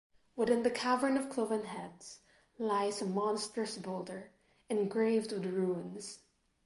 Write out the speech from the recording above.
Within the Cavern of Cloven Heads lies a monstrous boulder engraved with runes.